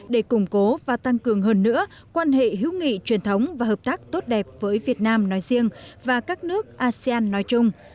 để củng cố và tăng cường hơn nữa quan hệ hữu nghị truyền thống và hợp tác tốt đẹp với việt nam nói riêng và các nước asean nói chung